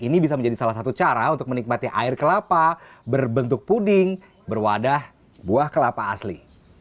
ini bisa menjadi salah satu cara untuk menikmati air kelapa berbentuk puding berwadah buah kelapa asli